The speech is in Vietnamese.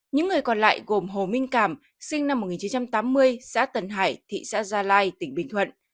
những người còn lại gồm hồ minh cảm sinh năm một nghìn chín trăm tám mươi xã tân hải thị xã gia lai tỉnh bình thuận